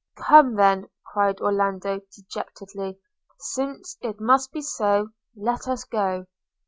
– 'Come then,' cried Orlando, dejectedly, 'since it must be so, let us go.'